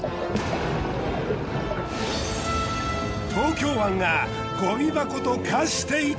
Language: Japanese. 東京湾がごみ箱と化していた！